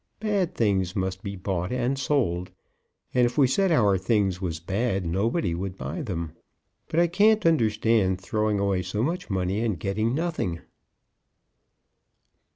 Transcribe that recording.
Bad things must be bought and sold, and if we said our things was bad, nobody would buy them. But I can't understand throwing away so much money and getting nothing."